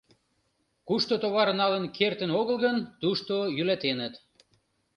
Кушто товар налын кертын огыл гын, тушто йӱлалтеныт.